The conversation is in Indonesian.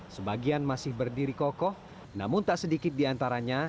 sebagian masih berdiri kokoh namun tak sedikit diantaranya